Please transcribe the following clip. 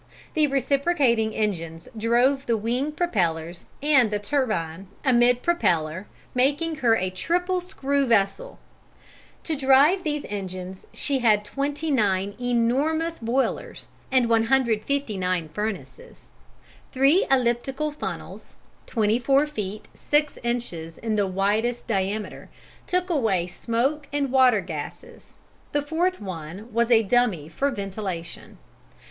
The reciprocating engines drove the wing propellers and the turbine a mid propeller, making her a triple screw vessel. To drive these engines she had 29 enormous boilers and 159 furnaces. Three elliptical funnels, 24 feet 6 inches in the widest diameter, took away smoke and water gases; the fourth one was a dummy for ventilation.